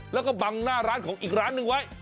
แล้วก็บังหน้าร้านของอีกร้านหนึ่งไว้